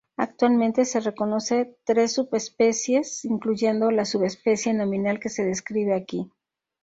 Actualmente se reconocen tres subespecies, incluyendo la subespecie nominal que se describe aquí.